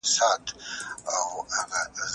افغان مشرانو د انګلیس دوه متناقض تړونونه وڅېړل.